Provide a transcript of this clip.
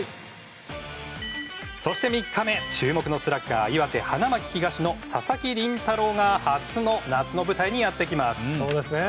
そして３日目、注目のスラッガー岩手・花巻東の佐々木麟太郎が初の夏の舞台にやってきます。